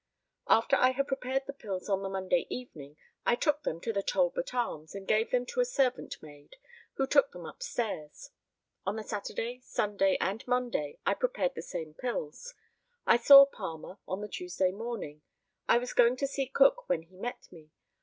After I had prepared the pills on the Monday evening I took them to the Talbot Arms, and gave them to a servant maid, who took them upstairs. On the Saturday, Sunday, and Monday, I prepared the same pills. I saw Palmer on the Tuesday morning. I was going to see Cook when he met me.